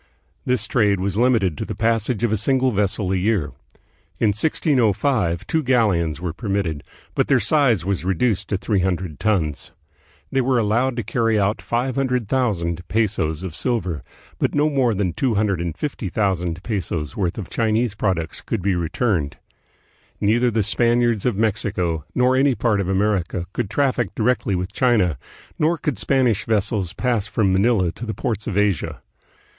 This trade was limited to the passage of a single vessel a year. In 1605 two galleons were permitted, but their size was reduced to three hundred tons. They were allowed to carry out 500,000 pesos of silver, but no more than 250,000 pesos' worth of Chinese products could be returned. Neither the Spaniards of Mexico nor any part of America could traffic directly with China, nor could Spanish vessels pass from Manila to the ports of Asia.